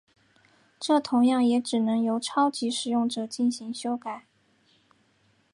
这同样也只能由超级使用者进行修改。